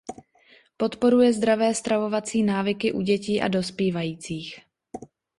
Podporuje zdravé stravovací návyky u dětí a dospívajících.